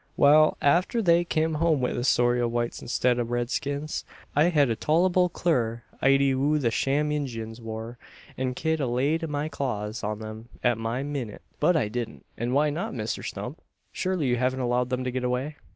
Wal, arter they kim home wi' the story o' whites instead o' red skins, I hed a tol'able clur idee o' who the sham Injuns wur, an ked a laid my claws on 'em at any minnit. But I didn't." "And why not, Mr Stump? Surely you haven't allowed them to get away?